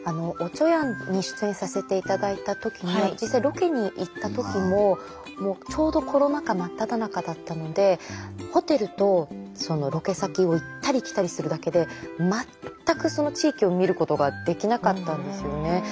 「おちょやん」に出演させて頂いた時に実際ロケに行った時もちょうどコロナ禍真っただ中だったのでホテルとそのロケ先を行ったり来たりするだけで全くその地域を見ることができなかったんですよね。